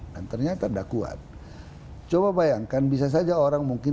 dan ternyata udah kuat coba bayangkan bisa saja orang mungkin